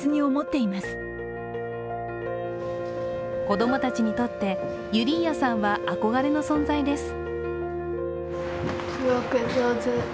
子供たちにとってユリーアさんは憧れの存在です。